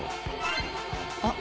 あっ！